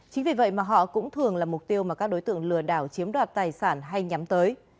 chính vì vậy mà họ cũng thường là mục tiêu mà các đối tượng lừa đảo chiếm đoạt tài sản hay nhắm tới